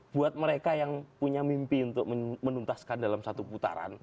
buat mereka yang punya mimpi untuk menuntaskan dalam satu putaran